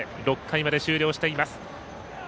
６回まで終了しています。